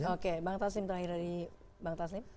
oke bang taslim terakhir tadi